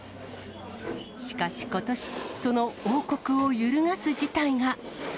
しかしことし、その王国を揺るがす事態が。